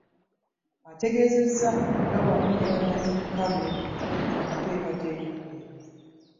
Ategeezezza nga wamu ne bannamikago bwe Bali mu nteekateeka eno